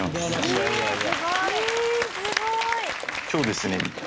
今日ですね